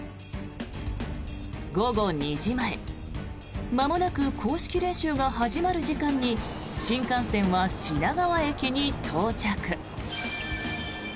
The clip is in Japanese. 午後２時前まもなく公式練習が始まる時間に新幹線は品川駅に到着。